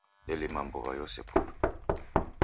Delima mbuw'a yose putu.